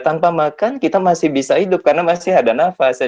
tanpa makan kita masih bisa hidup karena masih ada nafas